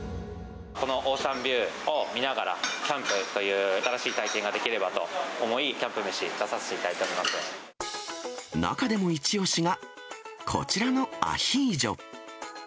このオーシャンビューを見ながら、キャンプという新しい体験ができればと思い、キャンプ飯、出させ中でも一押しが、こちらのアヒージョ。